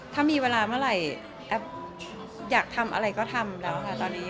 ถ้ามีเวลาเมื่อไหร่แอฟอยากทำอะไรก็ทำแล้วค่ะตอนนี้